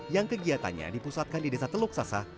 yang kegiatannya dipusatkan di desa teluk sasa